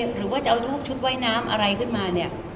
หรือจะเอารูปชุดไวน้ำอะไรขึ้นมา